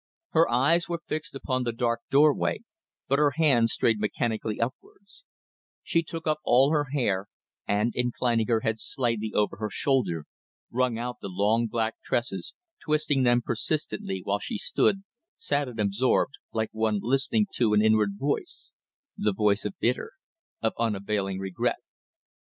Her eyes were fixed upon the dark doorway, but her hands strayed mechanically upwards; she took up all her hair, and, inclining her head slightly over her shoulder, wrung out the long black tresses, twisting them persistently, while she stood, sad and absorbed, like one listening to an inward voice the voice of bitter, of unavailing regret.